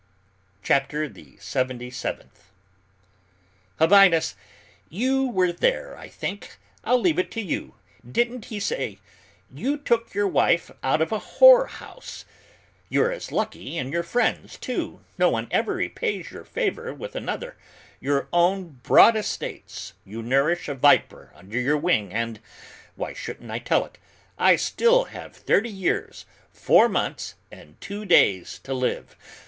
CHAPTER THE SEVENTY SEVENTH. "Habinnas, you were there, I think, I'll leave it to you; didn't he say 'You took your wife out of a whore house'? you're as lucky in your friends, too, no one ever repays your favor with another, you own broad estates, you nourish a viper under your wing, and why shouldn't I tell it I still have thirty years, four months, and two days to live!